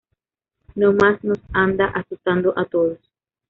Nomás nos anda asustando a todos.